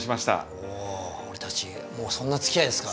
おお俺たちもうそんなつきあいですか。